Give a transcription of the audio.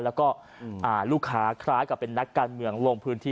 แล้วก็ลูกค้าคล้ายกับเป็นนักการเมืองลงพื้นที่